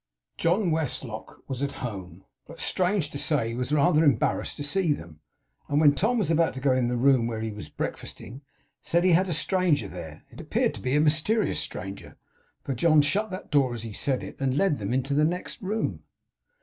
John Westlock was at home, but, strange to say, was rather embarrassed to see them; and when Tom was about to go into the room where he was breakfasting, said he had a stranger there. It appeared to be a mysterious stranger, for John shut that door as he said it, and led them into the next room.